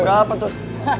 debra habis berapa tuh